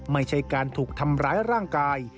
ไม่ใช่การถูกทำร้ายร่างกาย